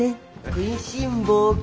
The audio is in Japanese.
食いしん坊か！